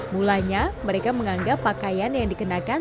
mulanya mereka menganggap pakaian yang dikenakan